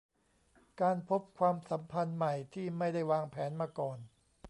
การพบความสัมพันธ์ใหม่ที่ไม่ได้วางแผนมาก่อน